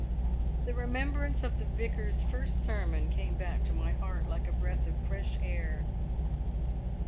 The remembrance of the Vicar's first sermon came back to my heart like a breath of fresh air.